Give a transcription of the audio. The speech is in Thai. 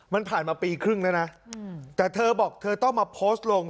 มันผ่านมาปีครึ่งแล้วนะแต่เธอบอกเธอต้องมาโพสต์ลง